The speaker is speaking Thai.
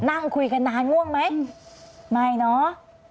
นั่งคุยกันนานง่วงไหมไม่เนาะ